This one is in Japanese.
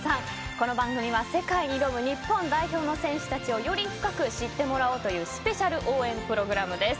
この番組は世界に挑む日本代表の選手たちをより深く知ってもらおうというスペシャル応援プログラムです。